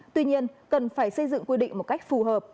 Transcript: tuy nhiên cần phải xây dựng quy định một cách phù hợp